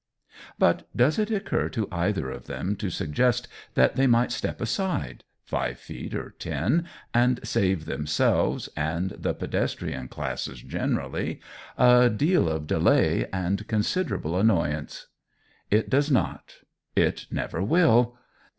But does it occur to either of them to suggest that they might step aside, five feet or ten, and save themselves, and the pedestrian classes generally, a deal of delay and considerable annoyance? It does not. It never will.